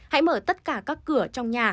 hãy mở tất cả các cửa trong nhà